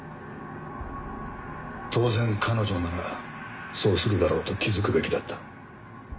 当然彼女ならそうするだろうと気づくべきだった。